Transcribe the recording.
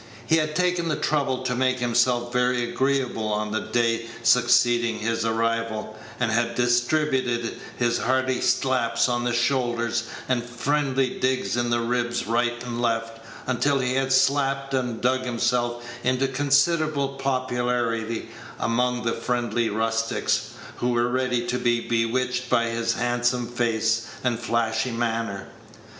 He had taken the trouble to make himself very agreeable on the day succeeding his arrival, and had distributed his hearty slaps on the shoulder and friendly digs in the ribs right and left, until he had slapped and dug himself into considerable popularity among the friendly rustics, who were ready to be bewitched by his handsome face and flashy manner.